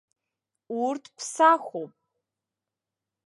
Урҭ ԥсахуп.